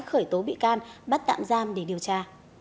khởi tố bị can bắt tạm giam để điều tra